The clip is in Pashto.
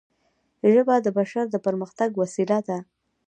ژبه د بشر د پرمختګ وسیله ده